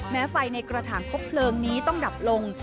ไฟในกระถางครบเพลิงนี้ต้องดับลง